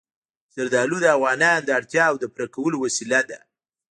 زردالو د افغانانو د اړتیاوو د پوره کولو وسیله ده.